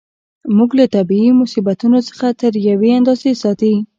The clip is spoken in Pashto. موږ له طبیعي مصیبتونو څخه تر یوې اندازې ساتي.